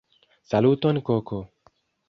Saluton koko!